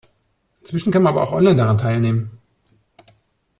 Inzwischen kann man aber auch online daran teilnehmen.